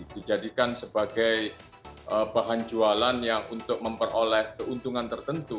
dijadikan sebagai bahan jualan yang untuk memperoleh keuntungan tertentu